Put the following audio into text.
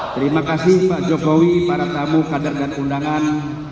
terima kasih pak jokowi para tamu kader dan undangan